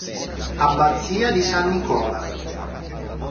Abbazia di San Nicola